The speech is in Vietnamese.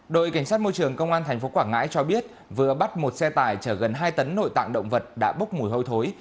đội cảnh sát môi trường công an tp quảng ngãi cho biết vừa bắt một xe tải chở gần hai tấn nội tạng động vật đã bốc mùi hôi thối